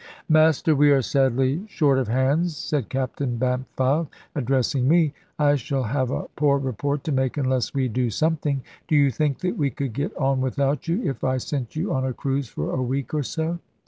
"Master, we are sadly short of hands," said Captain Bampfylde, addressing me; "I shall have a poor report to make, unless we do something. Do you think that we could get on without you, if I sent you on a cruise for a week or so?"